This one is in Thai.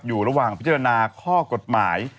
อยู่ระหว่างพิจารณาข้อกฎหมาย